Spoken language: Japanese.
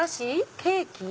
ケーキ？